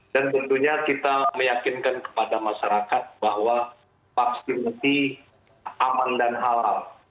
dan tentunya kita meyakinkan kepada masyarakat bahwa vaksinasi aman dan halal